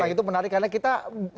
itu menarik karena kita